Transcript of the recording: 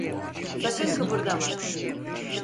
Sakın kıpırdama.